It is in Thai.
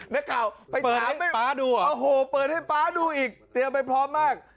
นักข่าวไปเปิดให้ป๊าดูอ่ะโอ้โหเปิดให้ป๊าดูอีกเตรียมไปพร้อมมาก